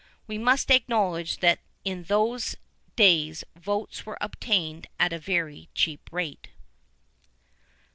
[VIII 33] We must acknowledge that in those days votes were obtained at a very cheap rate.